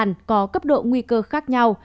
nhiều người có cấp độ nguy cơ khác nhau